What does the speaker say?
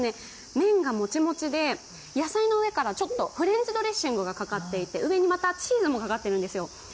麺がもちもちで、野菜の上からフレンチドレッシングがかかっていて上にまたチーズもかかっているんですよ。